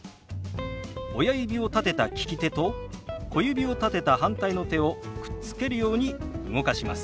親指を立てた利き手と小指を立てた反対の手をくっつけるように動かします。